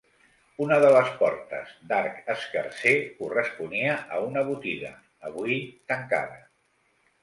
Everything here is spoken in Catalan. Una de les portes, d'arc escarser, corresponia a una botiga, avui tancada.